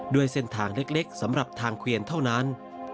ด้วยเส้นทางเล็กสำหรับทางเกวียนเท่านั้น